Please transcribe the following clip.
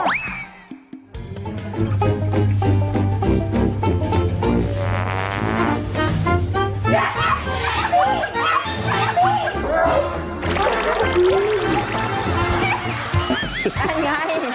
โว๊ย